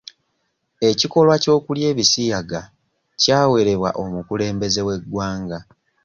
Ekikolwa ky'okulya ebisiyaga kyawerebwa omukulembeze w'eggwanga.